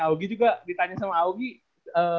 augie juga ditanya sama augie